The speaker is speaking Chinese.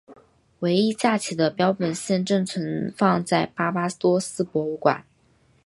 唯一架起的标本现正存放在巴巴多斯博物馆。